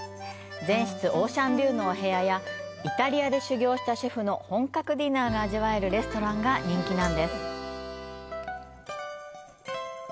全室オーシャンビューのお部屋や、イタリアで修業したシェフの本格ディナーが味わえるレストランが人気なんです。